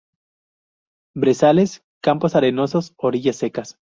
Brezales, campos arenosos, orillas secas.